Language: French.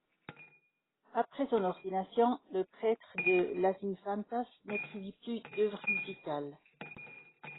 Après son ordination, le prêtre de las Infantas n'écrivit plus d'œuvre musicale.